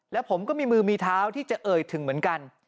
และผมก็มีมือมีเท้าที่จะเอ่ยถึงเหมือนกัน